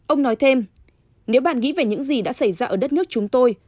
ông nói thêm nếu bạn nghĩ về những gì đã xảy ra ở đất nước chúng tôi